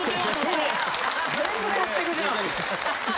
全部取ってくじゃん。